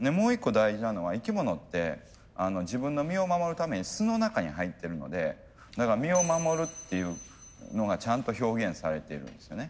もう一個大事なのは生き物って自分の身を守るために巣の中に入ってるのでだから身を守るっていうのがちゃんと表現されているんですよね。